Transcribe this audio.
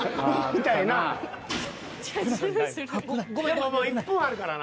でも１分あるからな。